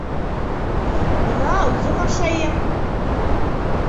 Бына үҙем ашайым!